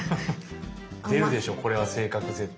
出るでしょこれは性格絶対。